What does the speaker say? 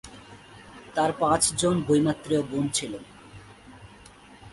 তার পাঁচজন বৈমাত্রেয় বোন ছিল।